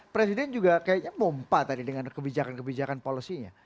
presiden juga kayaknya pompa tadi dengan kebijakan kebijakan policy nya